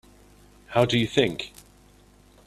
How do you think?